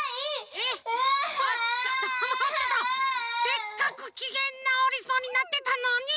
せっかくきげんなおりそうになってたのに！